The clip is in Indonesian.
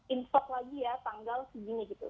info lagi ya tanggal segini gitu